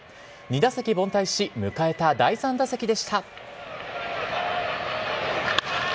２打席凡退し、迎えた第３打席でした。